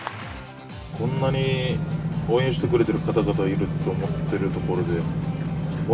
こんなに応援してくれてる方々がいると思っているところです。